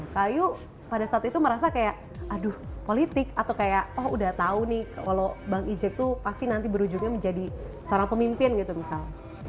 kayu pada saat itu merasa kayak aduh politik atau kayak oh udah tau nih kalau bang ijek tuh pasti nanti berujungnya menjadi seorang pemimpin gitu misal